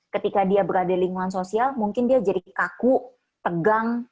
ketika dia berada di lingkungan sosial mungkin dia jadi kaku tegang